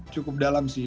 cukup dalam sih